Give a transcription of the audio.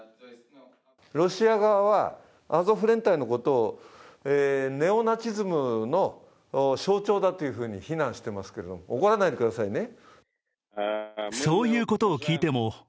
ロシア側は、アゾフ連隊のことをネオナチズムの象徴だというふうに非難していますけれども、怒らないでくださいね。